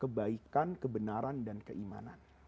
kebaikan kebenaran dan keimanan